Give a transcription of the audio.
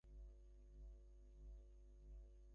ওটা আমার নিদেনকালের ভাষা।